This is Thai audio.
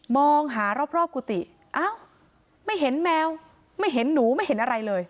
มองหารอบกุฏิอ้าวไม่เห็นแมวไม่เห็นหนูไม่เห็นอะไรเลย